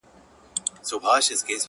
غجيبه نه ده گراني دا خبره~